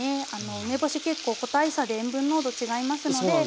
梅干し結構個体差で塩分濃度違いますので。